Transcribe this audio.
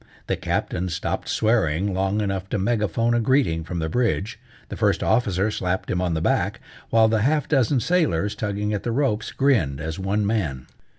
The Captain stopped swearing long enough to megaphone a greeting from the bridge, the First Officer slapped him on the back, while the half dozen sailors, tugging at the ropes, grinned as one man.